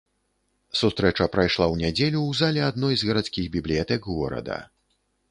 Сустрэча прайшла ў нядзелю ў залі адной з гарадскіх бібліятэк горада.